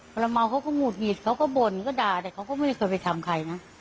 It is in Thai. เมื่อเมาเขาก็งูดหงีดเขาก็บ่นเขาก็ด่าแต่เขาก็ไม่เคยไปทำใครนะ